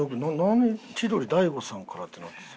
千鳥大悟さんからってなってた」。